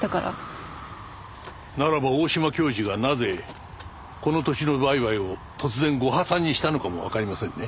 ならば大島教授がなぜこの土地の売買を突然ご破算にしたのかもわかりませんね？